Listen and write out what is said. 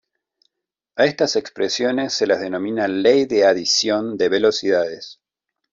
A estas expresiones se las denomina "ley de adición de velocidades".